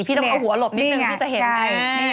พี่ต้องเอาหัวหลบนิดนึงพี่จะเห็นไง